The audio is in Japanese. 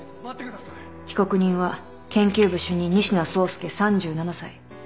被告人は研究部主任仁科壮介３７歳。